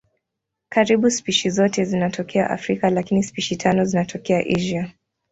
Karibu spishi zote zinatokea Afrika lakini spishi tano zinatokea Asia.